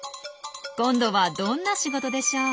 今度はどんな仕事でしょう。